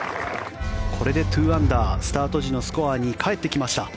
これで２アンダースタート時のスコアに帰ってきました。